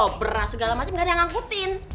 obrah segala macem gak ada yang ngangkutin